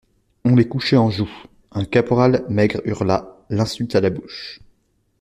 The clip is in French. On les couchait en joue: un caporal maigre hurla, l'insulte à la bouche.